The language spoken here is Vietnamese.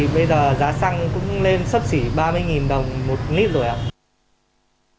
bây giờ giá xăng cũng lên sấp xỉ ba mươi đồng một lít rồi ạ